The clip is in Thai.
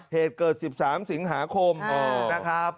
เหตุเกิด๑๓สิงหาคมนะครับ